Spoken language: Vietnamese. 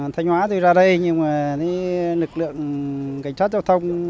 thành hóa tôi ra đây nhưng mà lực lượng cảnh sát giao thông